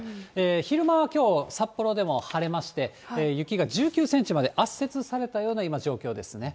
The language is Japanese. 昼間はきょう、札幌でも晴れまして、雪が１９センチまで圧接されたような今、状況ですね。